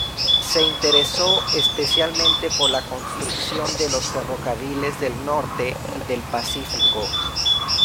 Se interesó especialmente por la construcción de los Ferrocarriles del Norte y del Pacífico.